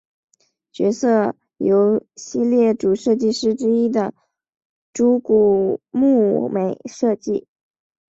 角色由系列主设计师之一的猪股睦美设计。